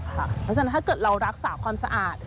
เพราะฉะนั้นถ้าเกิดเรารักษาความสะอาด